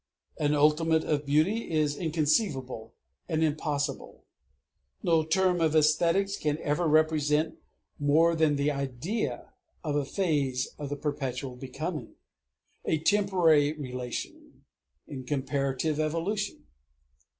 An ultimate of beauty is inconceivable and impossible; no term of æsthetics can ever represent more than the idea of a phase of the perpetual becoming, a temporary relation in comparative evolution.